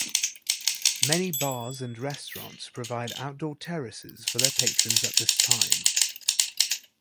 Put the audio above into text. Many bars and restaurants provide outdoor terraces for their patrons at this time.